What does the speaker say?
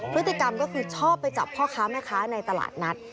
พฤติกรรมก็คือชอบไปจับพ่อค้าแม่ค้าในตลาดนัด